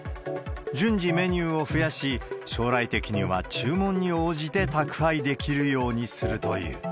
順次メニューを増やし、将来的には注文に応じて宅配できるようにするという。